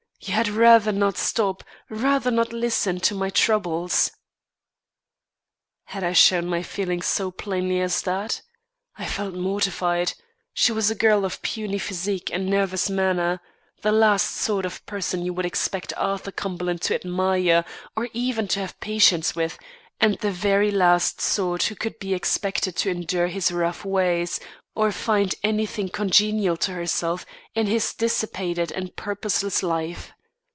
"You had rather not stop; rather not listen to my troubles." Had I shown my feelings so plainly as that? I felt mortified. She was a girl of puny physique and nervous manner the last sort of person you would expect Arthur Cumberland to admire or even to have patience with, and the very last sort who could be expected to endure his rough ways, or find anything congenial to herself in his dissipated and purposeless life.